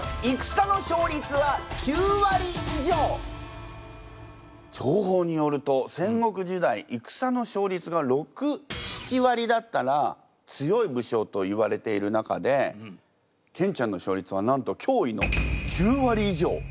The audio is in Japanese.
じょうほうによると戦国時代戦の勝率が６７割だったら強い武将といわれている中でケンちゃんの勝率はなんときょういの９割以上！？